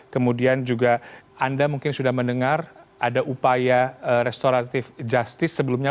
kemudian juga anda mungkin sudah mendengar ada upaya restoratif justice sebelumnya